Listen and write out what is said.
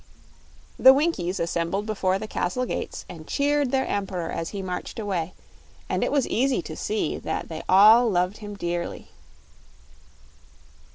The Winkies assembled before the castle gates and cheered their Emperor as he marched away, and it was easy to see that they all loved him dearly.